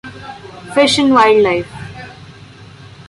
Fish and Wildlife.